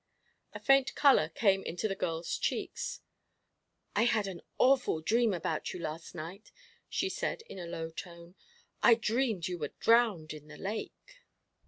A faint colour came into the girl's cheeks. "I had an awful dream about you last night," she said, in a low tone; "I dreamed you were drowned in the lake."